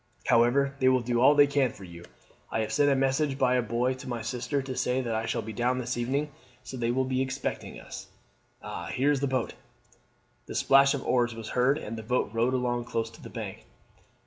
However, they will do all they can for you. I have sent a message by a boy to my sister to say that I shall be down this evening, so they will be expecting us. Ah, here is the boat!" The splash of oars was heard, and a boat rowed along close to the bank.